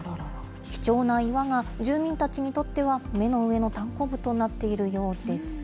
貴重な岩が、住民たちにとっては目の上のたんこぶとなっているようです。